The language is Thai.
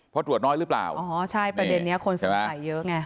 เพราะตรวจน้อยหรือเปล่าอ๋อใช่ประเด็นนี้คนสงสัยเยอะไง